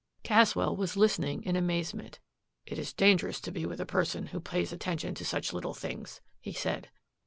Caswell was listening in amazement. "It is dangerous to be with a person who pays attention to such little things," he said.